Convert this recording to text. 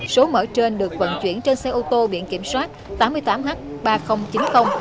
số mở trên được vận chuyển trên xe ô tô biển kiểm soát tám mươi tám h ba nghìn chín mươi